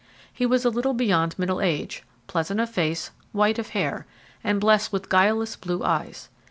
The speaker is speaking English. He was a little beyond middle age, pleasant of face, white of hair, and blessed with guileless blue eyes.